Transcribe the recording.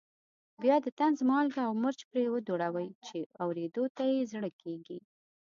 بیا د طنز مالګه او مرچ پرې دوړوي چې اورېدو ته یې زړه کېږي.